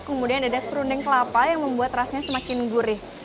kemudian ada serundeng kelapa yang membuat rasanya semakin gurih